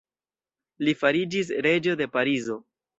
Li fariĝis reĝo de Parizo.